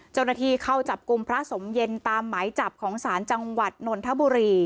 เจ้าหน้าที่เข้าจับกลุ่มพระสมเย็นตามหมายจับของศาลจังหวัดนนทบุรี